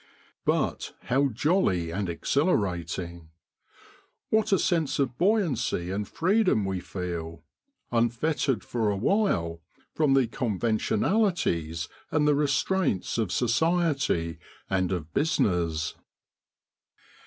But how jolly and exhilarating ! What a sense of buoy ancy and freedom we feel, unfettered for awhile from the conventionalities and the restraints of society and of business